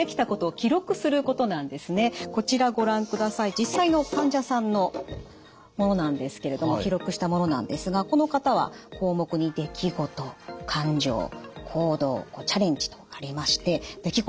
実際の患者さんのものなんですけれども記録したものなんですがこの方は項目に「出来事」「感情」「行動」「チャレンジ」とありまして「出来事」